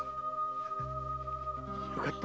良かった。